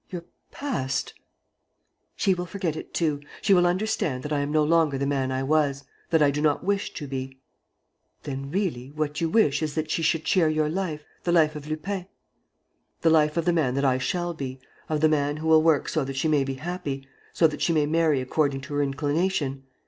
"Your past. ..." "She will forget it too. She will understand that I am no longer the man I was, that I do not wish to be." "Then, really, what you wish is that she should share your life, the life of Lupin?" "The life of the man that I shall be, of the man who will work so that she may be happy, so that she may marry according to her inclination.